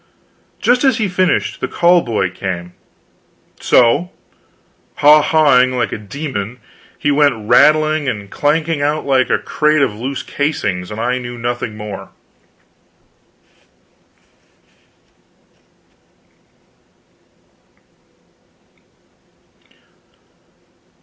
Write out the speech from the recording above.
Just as he finished, the call boy came; so, haw hawing like a demon, he went rattling and clanking out like a crate of loose castings, and I knew nothing more.